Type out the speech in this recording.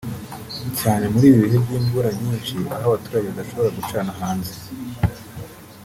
cyane muri ibi bihe by’imvura nyinshi aho abaturage badashobora gucana hanze